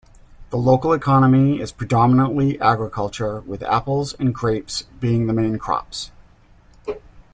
The local economy is predominantly agricultural, with apples and grapes being the main crops.